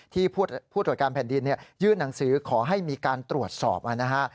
ผู้ตรวจการแผ่นดินยื่นหนังสือขอให้มีการตรวจสอบนะฮะ